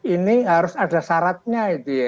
ini harus ada syaratnya